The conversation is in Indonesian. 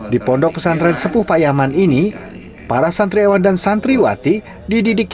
di pondok pesantren sepuh payaman ini para santri ewan dan santri wati dididik hidupnya